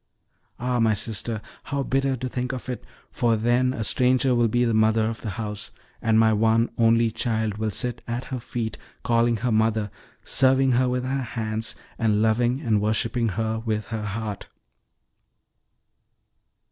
Ah, my sister, how bitter to think of it! for then a stranger will be the mother of the house, and my one only child will sit at her feet, calling her mother, serving her with her hands, and loving and worshiping her with her heart!"